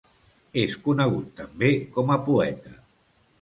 És conegut també com a poeta.